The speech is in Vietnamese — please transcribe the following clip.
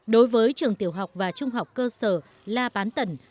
đối với trường tiểu học và trung học cơ sở la bán tần